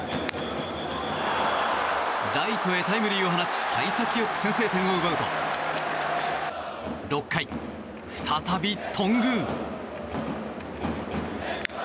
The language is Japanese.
ライトへタイムリーを放ち幸先よく先制点を奪うと６回、再び頓宮。